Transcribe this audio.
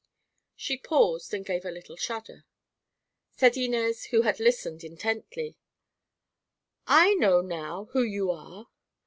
She paused and gave a little shudder. Said Inez, who had listened intently: "I know now who you are.